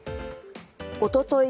おととい